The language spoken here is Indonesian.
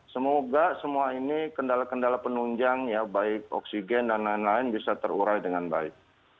semoga semua ini kendala kendala penunjang ya baik oksigen dan lain lain bisa terurai dengan baik